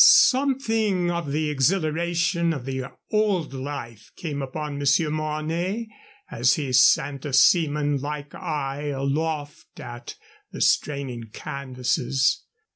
Something of the exhilaration of the old life came upon Monsieur Mornay as he sent a seaman like eye aloft at the straining canvases.